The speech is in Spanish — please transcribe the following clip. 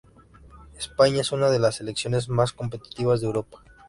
España es una de las selecciones más competitivas de Europa.